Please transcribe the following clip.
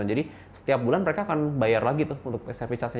jadi setiap bulan mereka akan bayar lagi tuh untuk service charge nya